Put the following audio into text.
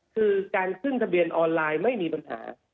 คือการขึ้นทะเบียนออนไลน์ไม่มีปัญหา